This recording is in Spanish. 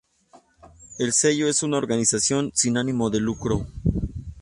El sello es una organización sin ánimo de lucro.